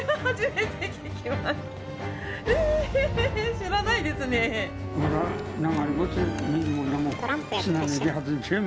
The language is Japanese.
知らないですねえ。